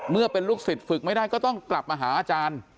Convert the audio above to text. เมื่อเป็นลูกศิษย์ฝึกไม่ได้ก็ต้องกลับมาหาอาจารย์